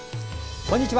こんにちは。